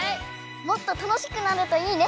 もっと楽しくなるといいね。